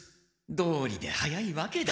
どうりで早いわけだ。